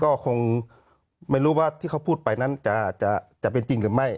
ก็คงไม่รู้ว่าที่เขาพูดไปนั้นจะเป็นจริงหรือไม่